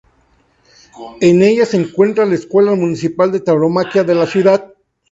En ella se encuentra la Escuela Municipal de Tauromaquia de la ciudad.